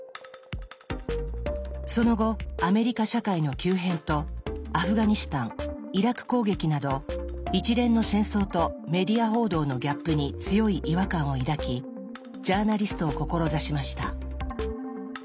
その後アメリカ社会の急変とアフガニスタンイラク攻撃など一連の戦争とメディア報道のギャップに強い違和感を抱きジャーナリストを志しました。